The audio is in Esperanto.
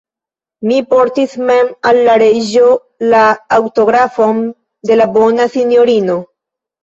Mi portis mem al la reĝo la aŭtografon de la bona sinjorino.